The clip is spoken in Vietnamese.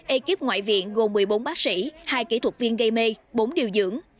ekip ngoại viện gồm một mươi bốn bác sĩ hai kỹ thuật viên gây mê bốn điều dưỡng